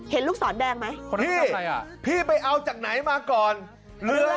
เห็นลูกศรแดงไหมพี่พี่ไปเอาจากไหนมาก่อนเรื้อเนี่ย